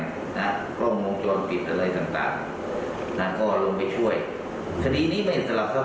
เอาพวกเนี่ยมาลงโทษและเอาลมปืนให้ได้